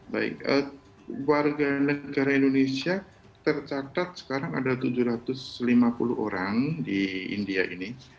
baik warga negara indonesia tercatat sekarang ada tujuh ratus lima puluh orang di india ini